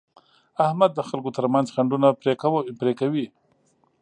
احمد د خلکو ترمنځ خنډونه پرې کوي.